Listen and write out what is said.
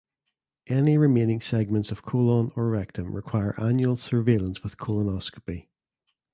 Any remaining segments of colon or rectum require annual surveillance with colonoscopy.